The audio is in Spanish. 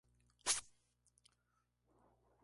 Tiene vistas de la sierra de Amboto.